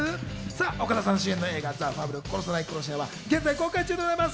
岡田さん主演の映画『ザ・ファブル殺さない殺し屋』は現在公開中です。